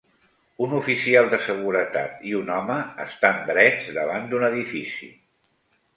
Un oficial de seguretat i un home estan drets davant d'un edifici.